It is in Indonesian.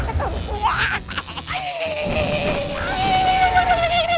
saat ini dia menggesis